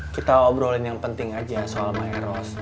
kita obrolin yang penting aja soal maeros